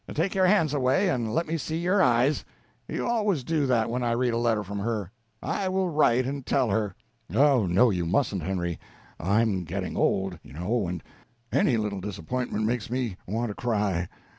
Take your hands away, and let me see your eyes. You always do that when I read a letter from her. I will write and tell her." "Oh no, you mustn't, Henry. I'm getting old, you know, and any little disappointment makes me want to cry.